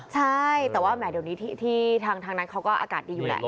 ใช่แต่ว่าแหมเดี๋ยวนี้ที่ทางนั้นเขาก็อากาศดีอยู่แหละ